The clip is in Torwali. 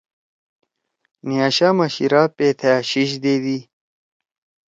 نیاشاما شیِرا پیتھأ شیِش دیدی۔